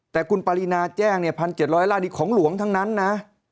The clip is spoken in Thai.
แต่คุณปรินาแจ้ง๑๗๐๐ไร่นี่ของหลวงทั้งนั้นนะ